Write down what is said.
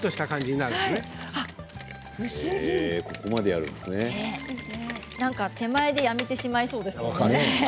なんか手前でやめてしまいそうですね。